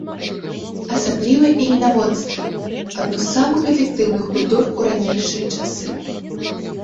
Асабліва ільнаводства, адну з самых эфектыўных культур у ранейшыя часы.